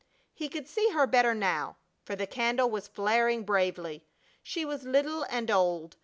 He could see her better now, for the candle was flaring bravely. She was little and old.